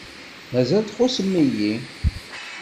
Mazal txuṣṣem-iyi.